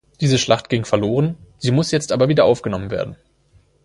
Diese Schlacht ging verloren, sie muss jetzt aber wieder aufgenommen werden.